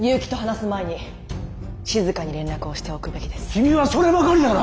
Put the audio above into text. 君はそればかりだな。